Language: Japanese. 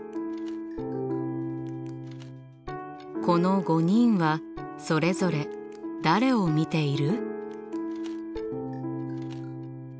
この５人はそれぞれ誰を見ている？